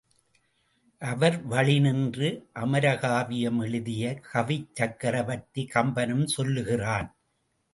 அவர் வழி நின்று அமரகாவியம் எழுதிய கவிச் சக்கரவர்த்தி கம்பனும் சொல்கிறான்.